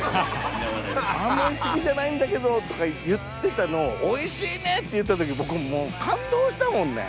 「あんまり好きじゃないんだけど」とか言ってたのを「おいしいね」って言った時僕もう感動したもんね。